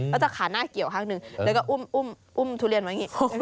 แล้วจะขาหน้าเกี่ยวข้างหนึ่งแล้วก็อุ้มทุเรียนไว้อย่างนี้